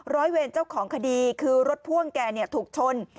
ร้อยเวรเจ้าของคดีคือรถพ่วงแกถูกชน